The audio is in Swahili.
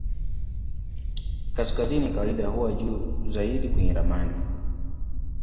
Kaskazini kawaida huwa juu zaidi kwenye ramani.